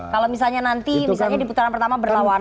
kalau misalnya nanti misalnya di putaran pertama berlawan